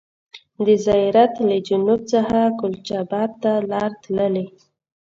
د زیارت له جنوب څخه کلچا بات ته لار تللې.